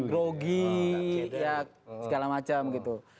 rugi ya segala macam gitu